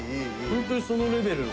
ホントにそのレベルの。